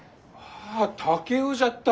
あ竹雄じゃったか！